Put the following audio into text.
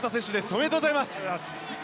おめでとうございます！